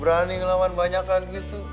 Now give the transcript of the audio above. berani ngelawan banyakan gitu